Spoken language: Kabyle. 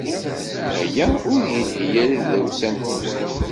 Aya ur yelhi ara i tdawsa-nwent.